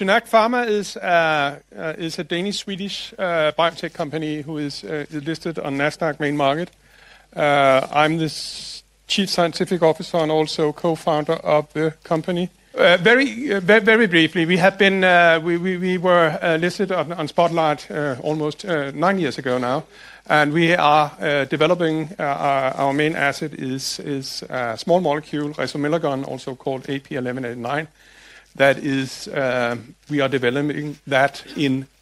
SynAct Pharma is a Danish-Swedish biotech company who is listed on Nasdaq Main Market. I'm the Chief Scientific Officer and also co-founder of the company. Very briefly, we have been listed on Spotlight almost nine years ago now, and we are developing our main asset is a small molecule, resomelagon, also called AP1189. That is, we are developing that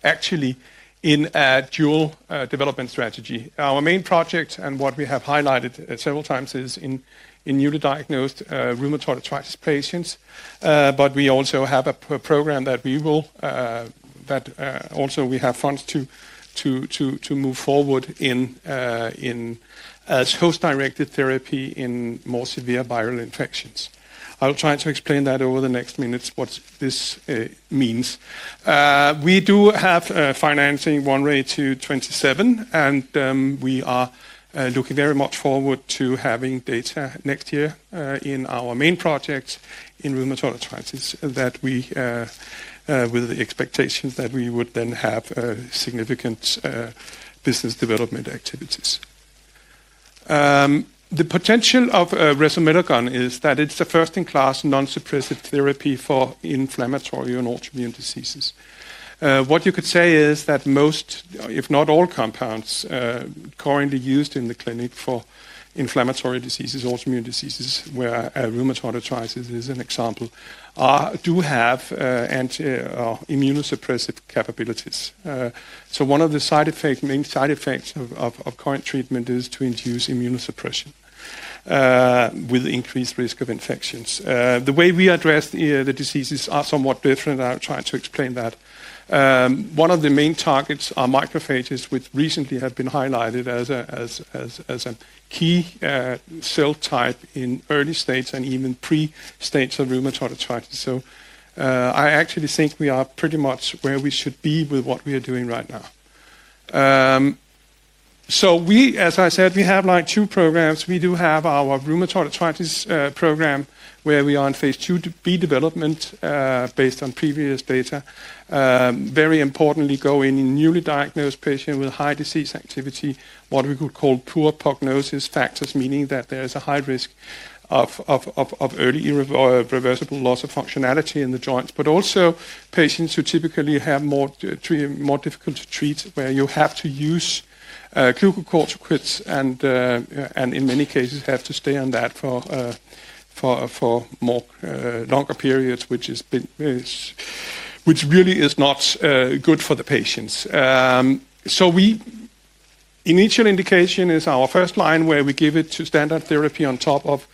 actually in a dual development strategy. Our main project and what we have highlighted several times is in newly diagnosed rheumatoid arthritis patients, but we also have a program that we will, that also we have funds to move forward in as host-directed therapy in more severe viral infections. I'll try to explain that over the next minutes, what this means. We do have financing in 2027, and we are looking very much forward to having data next year in our main project in rheumatoid arthritis that we with the expectation that we would then have significant business development activities. The potential of resomelagon is that it's the first in class non-suppressive therapy for inflammatory and autoimmune diseases. What you could say is that most, if not all, compounds currently used in the clinic for inflammatory diseases, autoimmune diseases, where rheumatoid arthritis is an example, do have anti- or immunosuppressive capabilities. One of the main side effects of current treatment is to induce immunosuppression with increased risk of infections. The way we address the diseases are somewhat different, and I'll try to explain that. One of the main targets are macrophages, which recently have been highlighted as a key cell type in early stage and even pre-stage of rheumatoid arthritis. I actually think we are pretty much where we should be with what we are doing right now. We, as I said, have like two programs. We do have our rheumatoid arthritis program where we are in phase IIB development based on previous data. Very importantly, going in newly diagnosed patients with high disease activity, what we could call poor prognosis factors, meaning that there is a high risk of early irreversible loss of functionality in the joints, but also patients who typically are more difficult to treat, where you have to use glucocorticoids and in many cases have to stay on that for longer periods, which really is not good for the patients. We, initial indication is our first line where we give it to standard therapy on top of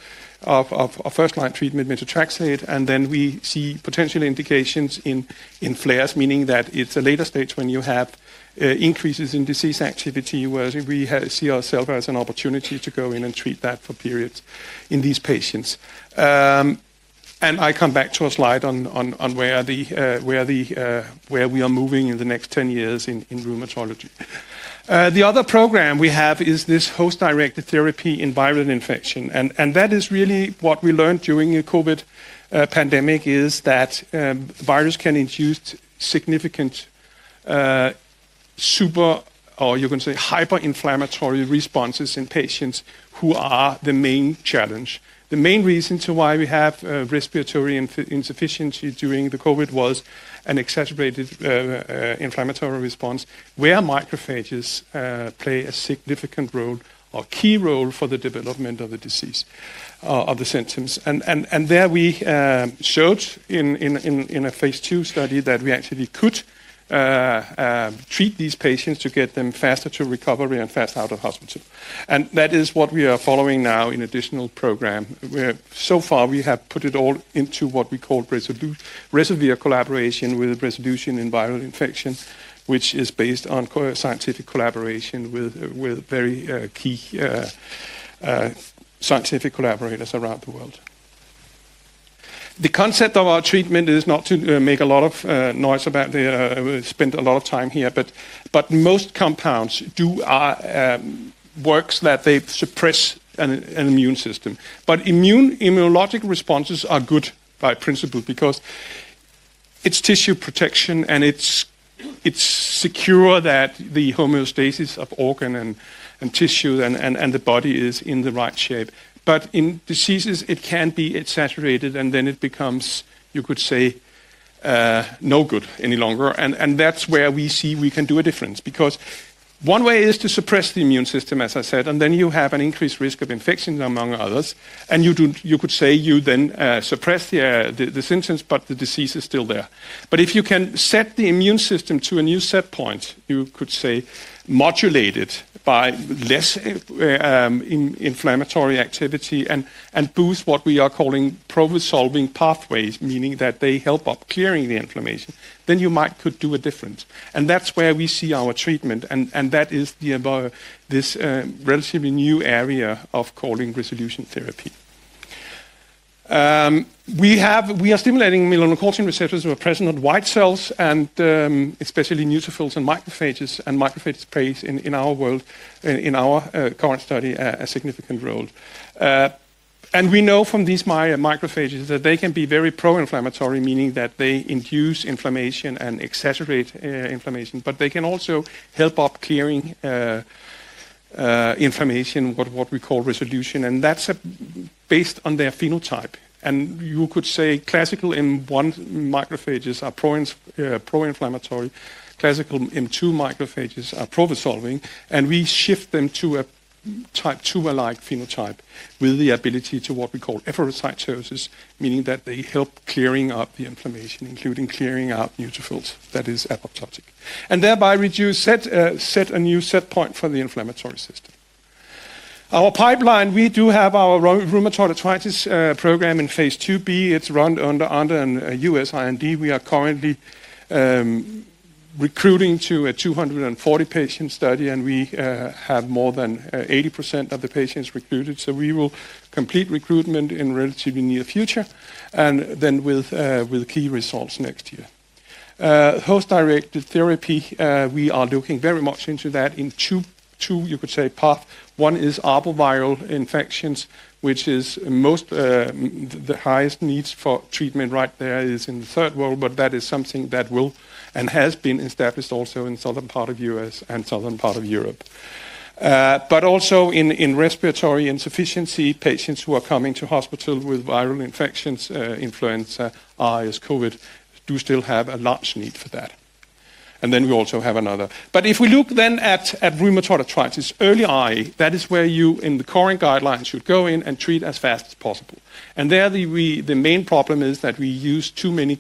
first line treatment, methotrexate, and then we see potential indications in flares, meaning that it's a later stage when you have increases in disease activity, whereas we see ourselves as an opportunity to go in and treat that for periods in these patients. I come back to a slide on where we are moving in the next 10 years in rheumatology. The other program we have is this host-directed therapy in viral infection, and that is really what we learned during the COVID pandemic is that the virus can induce significant super or you can say hyper-inflammatory responses in patients who are the main challenge. The main reason to why we have respiratory insufficiency during the COVID was an accelerated inflammatory response where macrophages play a significant role or key role for the development of the disease or the symptoms. There we showed in a phase two study that we actually could treat these patients to get them faster to recovery and faster out of hospital. That is what we are following now in additional program. So far we have put it all into what we call RESOLUTE. RESOLUTE collaboration with resolution in viral infection, which is based on scientific collaboration with very key scientific collaborators around the world. The concept of our treatment is not to make a lot of noise about the spend a lot of time here, but most compounds do work that they suppress an immune system. Immunological responses are good by principle because it's tissue protection and it secures that the homeostasis of organ and tissue and the body is in the right shape. In diseases, it can be exaggerated and then it becomes, you could say, no good any longer. That's where we see we can do a difference because one way is to suppress the immune system, as I said, and then you have an increased risk of infections among others. You could say you then suppress the symptoms, but the disease is still there. If you can set the immune system to a new set point, you could say modulate it by less inflammatory activity and boost what we are calling proven solving pathways, meaning that they help up clearing the inflammation, then you might could do a difference. That is where we see our treatment, and that is this relatively new area of calling resolution therapy. We are stimulating melanocortin receptors that are present on white cells and especially neutrophils and macrophages, and macrophages play in our world, in our current study, a significant role. We know from these macrophages that they can be very pro-inflammatory, meaning that they induce inflammation and exaggerate inflammation, but they can also help up clearing inflammation, what we call resolution. That is based on their phenotype. You could say classical M1 macrophages are pro-inflammatory, classical M2 macrophages are pro-resolving, and we shift them to a type two alike phenotype with the ability to what we call efferocytosis, meaning that they help clearing up the inflammation, including clearing out neutrophils that are apoptotic and thereby reduce, set a new set point for the inflammatory system. Our pipeline, we do have our rheumatoid arthritis program in phase IIB. It's run under a U.S. IND. We are currently recruiting to a 240 patient study, and we have more than 80% of the patients recruited. We will complete recruitment in relatively near future and then with key results next year. Host-directed therapy, we are looking very much into that in two, you could say, path. One is arboviral infections, which is most the highest needs for treatment right there is in the third world, but that is something that will and has been established also in southern part of the U.S. and southern part of Europe. Also in respiratory insufficiency, patients who are coming to hospital with viral infections, influenza, RSV, COVID do still have a large need for that. We also have another. If we look then at rheumatoid arthritis, early RA, that is where you in the current guidelines should go in and treat as fast as possible. There the main problem is that we use too many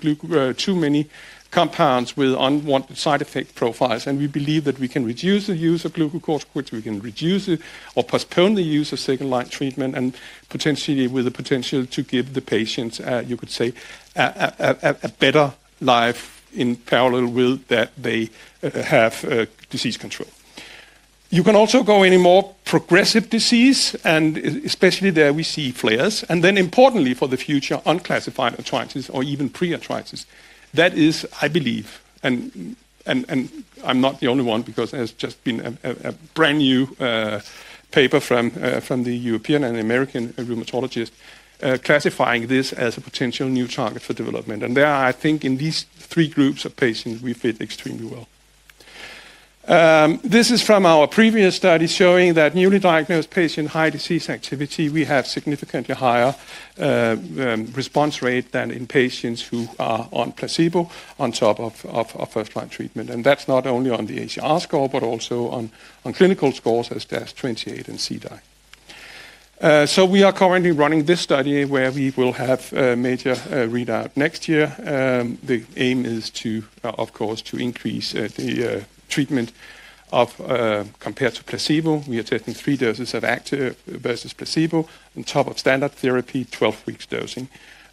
compounds with unwanted side effect profiles, and we believe that we can reduce the use of glucocorticoids, we can reduce or postpone the use of second line treatment and potentially with the potential to give the patients, you could say, a better life in parallel with that they have disease control. You can also go any more progressive disease, and especially there we see flares. Importantly for the future, unclassified arthritis or even pre-arthritis. That is, I believe, and I'm not the only one because there's just been a brand new paper from the European and American rheumatologist classifying this as a potential new target for development. There I think in these three groups of patients we fit extremely well. This is from our previous study showing that newly diagnosed patient high disease activity, we have significantly higher response rate than in patients who are on placebo on top of first line treatment. That's not only on the ACR score, but also on clinical scores DAS28 and CDAI. We are currently running this study where we will have a major readout next year. The aim is to, of course, to increase the treatment compared to placebo. We are taking three doses of active versus placebo on top of standard therapy, 12 weeks dosing,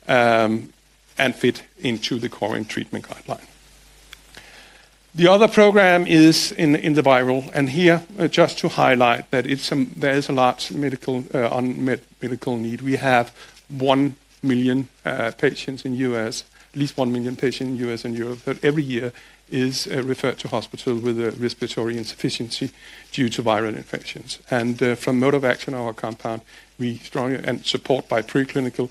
and fit into the current treatment guideline. The other program is in the viral, and here just to highlight that there is a large medical need. We have 1 million patients in the U.S., at least 1 million patients in the U.S. and Europe that every year is referred to hospital with respiratory insufficiency due to viral infections. From our compound, we strongly support by preclinical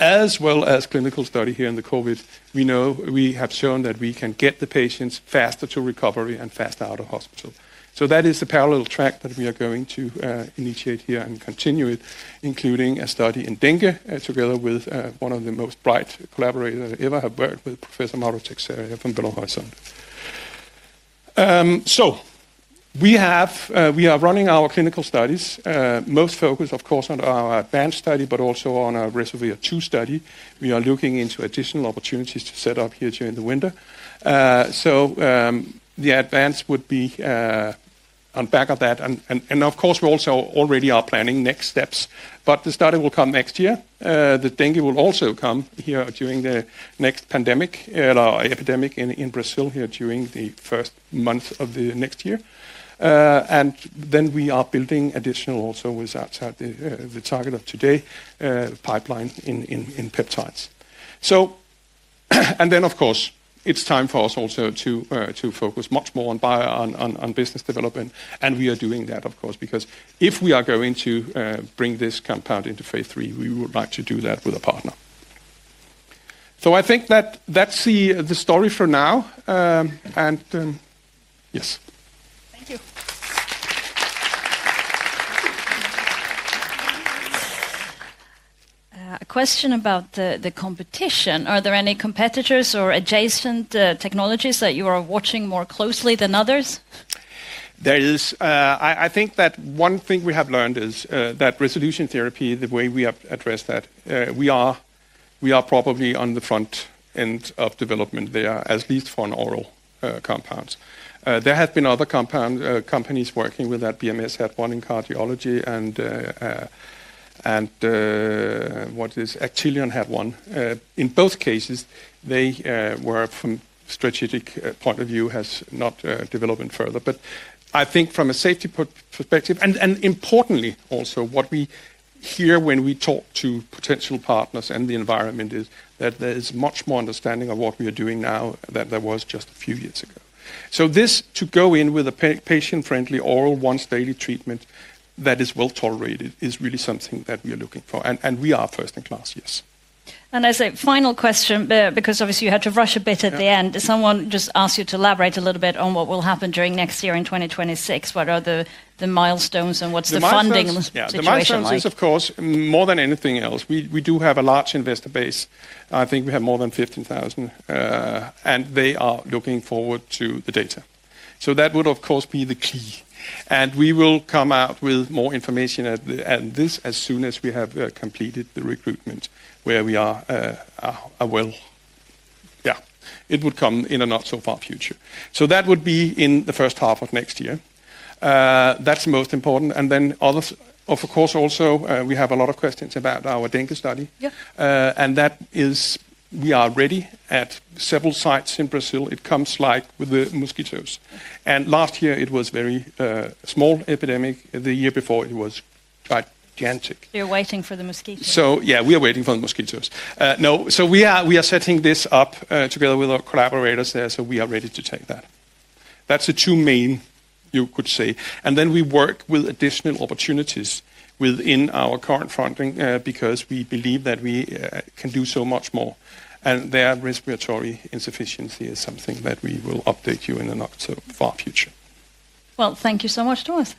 as well as clinical study here in the COVID. We know we have shown that we can get the patients faster to recovery and faster out of hospital. That is the parallel track that we are going to initiate here and continue it, including a study in dengue together with one of the most bright collaborators I ever have worked with, Professor Mauro Teixeira from Belo Horizonte. We are running our clinical studies, most focused, of course, on our ADVANCE study, but also on our RESOVIR study. We are looking into additional opportunities to set up here during the winter. The ADVANCE would be on back of that. Of course, we also already are planning next steps, but the study will come next year. dengue will also come here during the next pandemic or epidemic in Brazil here during the first month of the next year. We are building additional also with outside the target of today pipeline in peptides. Of course, it is time for us also to focus much more on business development. We are doing that, of course, because if we are going to bring this compound into phase three, we would like to do that with a partner. I think that is the story for now. Yes. Thank you. A question about the competition. Are there any competitors or adjacent technologies that you are watching more closely than others? There is. I think that one thing we have learned is that resolution therapy, the way we have addressed that, we are probably on the front end of development there, at least for an oral compound. There have been other companies working with that. BMS had one in cardiology and Actelion had one. In both cases, they were from strategic point of view has not developed further. I think from a safety perspective, and importantly also what we hear when we talk to potential partners and the environment is that there is much more understanding of what we are doing now than there was just a few years ago. This to go in with a patient-friendly oral once daily treatment that is well tolerated is really something that we are looking for. We are first in class, yes. As a final question, because obviously you had to rush a bit at the end, someone just asked you to elaborate a little bit on what will happen during next year in 2026. What are the milestones and what's the funding? The milestones, of course, more than anything else. We do have a large investor base. I think we have more than 15,000, and they are looking forward to the data. That would, of course, be the key. We will come out with more information on this as soon as we have completed the recruitment where we are well. It would come in a not so far future. That would be in the first half of next year. That's the most important. Others, of course, also we have a lot of questions about our dengue study. We are ready at several sites in Brazil. It comes like with the mosquitoes. Last year it was a very small epidemic. The year before it was gigantic. You're waiting for the mosquitoes. Yeah, we are waiting for the mosquitoes. We are setting this up together with our collaborators there. We are ready to take that. That's the two main, you could say. We work with additional opportunities within our current funding because we believe that we can do so much more. Their respiratory insufficiency is something that we will update you in the not so far future. Thank you so much, Thomas.